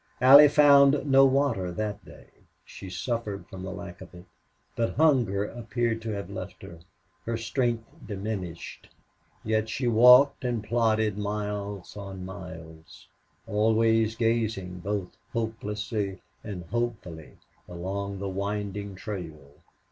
Allie found no water that day. She suffered from the lack of it, but hunger appeared to have left her. Her strength diminished, yet she walked and plodded miles on miles, always gazing both hopelessly and hopefully along the winding trail.